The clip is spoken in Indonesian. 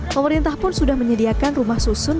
pemerintah pun sudah menyediakan rumah susun